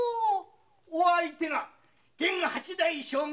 お相手が現八代将軍